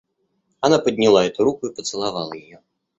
Она подняла эту руку и поцеловала ее.